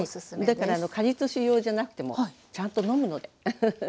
だから果実酒用じゃなくてもちゃんと飲むのでウフフ。